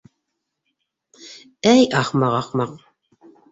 Эй ахмаҡ, ахмаҡ!